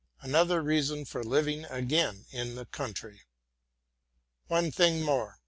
Another reason for living again in the country. One thing more.